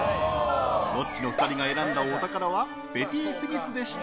ロッチの２人が選んだお宝はベティスミスでした。